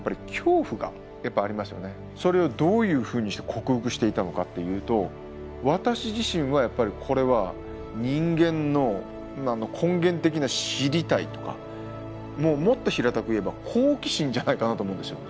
それをどういうふうにして克服していたのかっていうと私自身はやっぱりこれは人間の根源的な知りたいとかもっと平たく言えば好奇心じゃないかなと思うんですよ。